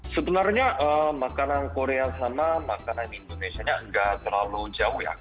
sebenarnya makanan korea sama makanan indonesia ngga terlalu jauh ya